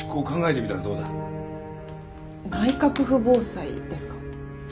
内閣府防災ですか？